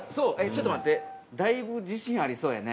ちょっと待って、だいぶ自信ありそうやね。